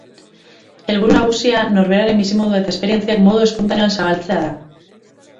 Helburu nagusia norberaren bizimodua eta esperientziak modu espontaneoan zabaltzea da.